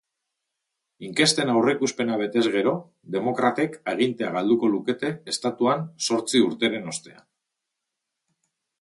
Inkesten aurreikuspena betez gero, demokratek agintea galduko lukete estatuan zortzi urteren ostean.